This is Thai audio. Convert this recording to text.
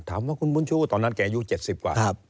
ถามว่าคุณบุญชูตอนนั้นแกอายุ๗๐กว่า